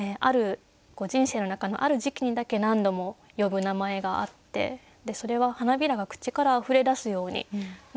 人生の中のある時期にだけ何度も呼ぶ名前があってそれは「花びらが口からあふれだすように」